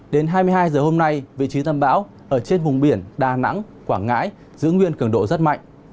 đến hai mươi hai h hôm nay vị trí tâm bão ở trên vùng biển đà nẵng quảng ngãi giữ nguyên cường độ rất mạnh